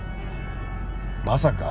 まさか。